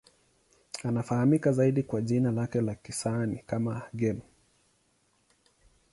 Anafahamika zaidi kwa jina lake la kisanii kama Game.